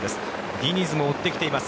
ディニズも追ってきています。